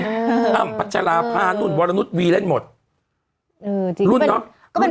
อ้ำอ้ำปัจจาราภาณุ่นวรนุษย์วีเล่นหมดเออจริงรุ่นเนอะ